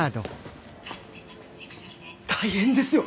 大変ですよ！